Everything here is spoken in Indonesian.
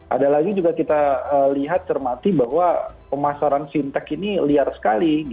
ada lagi juga kita lihat cermati bahwa pemasaran fintech ini liar sekali